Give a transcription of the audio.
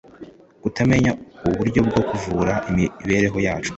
kutamenya uburyo bwo kuvura imibiri yacu